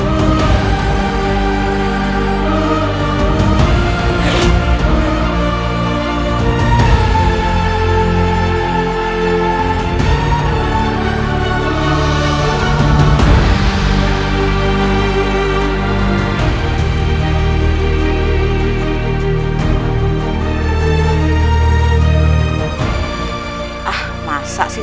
tuhan yang terbaik